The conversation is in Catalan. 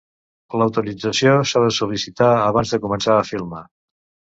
L'autorització s'ha de sol·licitar abans de començar a filmar.